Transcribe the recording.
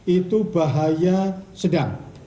itu bahaya sedang